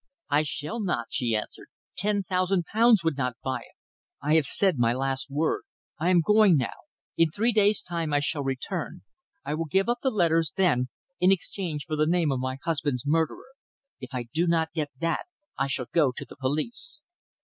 "I shall not," she answered. "Ten thousand pounds would not buy it. I have said my last word. I am going now. In three days' time I shall return. I will give up the letters then in exchange for the name of my husband's murderer. If I do not get that, I shall go to the police!"